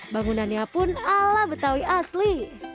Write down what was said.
bangunannya pun ala betawi asli